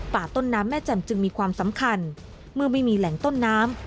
ต้นน้ำแม่แจ่มจึงมีความสำคัญเมื่อไม่มีแหล่งต้นน้ำ